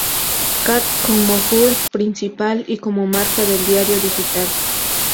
Cat como url principal y como marca del diario digital.